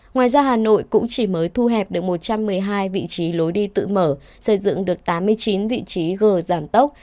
ngoài ra hà nội cũng chỉ mới thu hẹp được một trăm một mươi hai vị trí lối đi tự mở xây dựng được tám mươi chín vị trí g giảm tốc